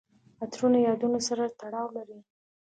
عطرونه د یادونو سره تړاو لري.